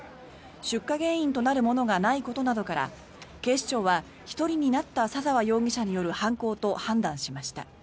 出火原因となるものがないことなどから警視庁は１人になった左澤容疑者による犯行と判断しました。